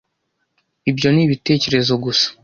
Ibyo ni ibitekerezo gusa.